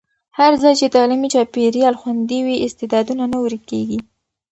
هر ځای چې تعلیمي چاپېریال خوندي وي، استعدادونه نه ورکېږي.